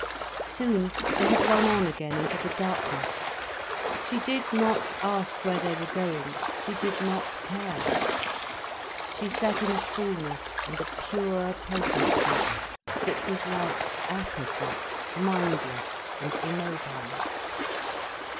Soon they had run on again into the darkness. She did not ask where they were going, she did not care. She sat in a fullness and a pure potency that was like apathy, mindless and immobile.